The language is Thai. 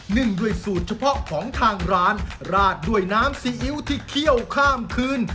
นึ่งด้วยสูตรเฉพาะของทางร้านราดด้วยน้ำซีอิ๊วที่เคี่ยวข้ามคืน